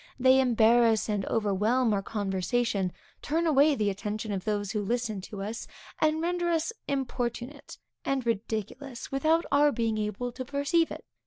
They embarrass and overwhelm our conversation, turn away the attention of those who listen to us, and render us importunate, and ridiculous, without our being able to perceive it.